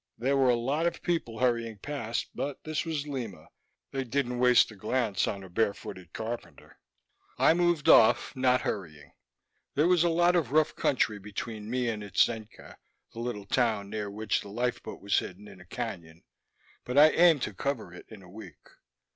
There were a lot of people hurrying past but this was Lima: they didn't waste a glance on a barefooted carpenter. I moved off, not hurrying. There was a lot of rough country between me and Itzenca, the little town near which the life boat was hidden in a cañon, but I aimed to cover it in a week.